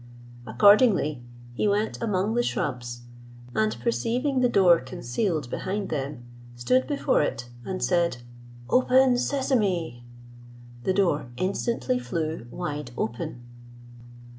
Accordingly, he went among the shrubs, and perceiving the door concealed behind them, stood before it, and said, "Open, Sesame." The door instantly flew wide open.